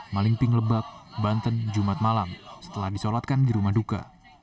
malingping lebak banten jumat malam setelah disolatkan di rumah duka